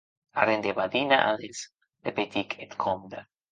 Arren de badinades!, repetic eth comde.